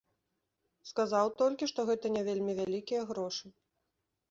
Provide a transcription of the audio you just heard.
Сказаў толькі, што гэта не вельмі вялікія грошы.